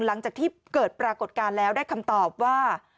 หลังจากที่เกิดปรากฏการณ์แล้วได้คำตอบว่า